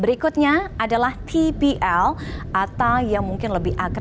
antaraalia vision selanjutnya gabung mscdeal chaos